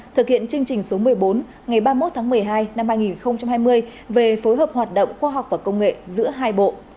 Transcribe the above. thực hiện chương trình số một mươi bốn ngày ba mươi một tháng một mươi hai năm hai nghìn hai mươi về phối hợp hoạt động khoa học và công nghệ giữa hai bộ